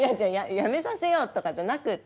やめさせようとかじゃなくって。